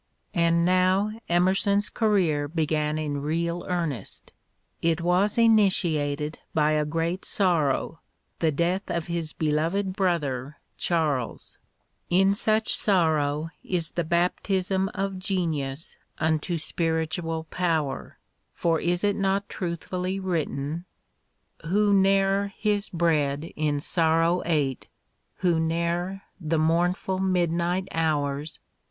And now Emerson's career began in real earnest ; it was initiated by a great sorrow — the death of his beloved brother Charles ; in such sorrow is the baptism of genius unto spiritual power, for is it not truthfully written ? 138 EMERSON Who ne'er his bread in sorrow ate, Who ne'er the mournful midnight hours